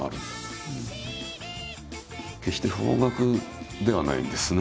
決して邦楽ではないんですね。